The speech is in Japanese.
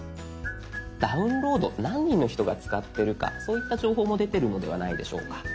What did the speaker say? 「ダウンロード」何人の人が使ってるかそういった情報も出てるのではないでしょうか。